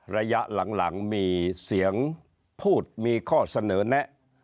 ระยะหลังมีเสียงพูดมีข้อเสนอแนะ